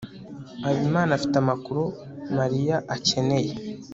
habimana afite amakuru mariya akeneye